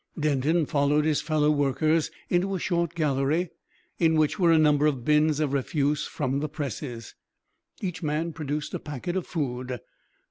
Denton followed his fellow workers into a short gallery, in which were a number of bins of refuse from the presses. Each man produced a packet of food.